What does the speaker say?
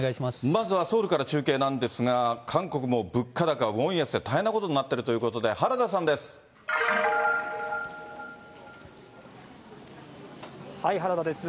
まずはソウルから中継なんですが、韓国も物価高、ウォン安で大変なことになっているということで、原田さんです。